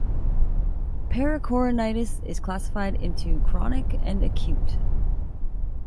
Pericoronitis is classified into "chronic" and "acute".